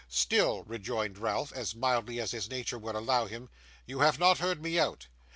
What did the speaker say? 'Still,' rejoined Ralph, as mildly as his nature would allow him, 'you have not heard me out.